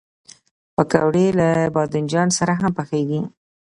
پکورې له بادنجان سره هم پخېږي